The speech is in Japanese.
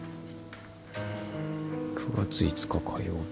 「９月５日火曜日」